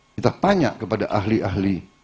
kita tanya kepada ahli ahli